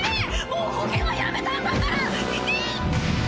もう保険はやめたんだから！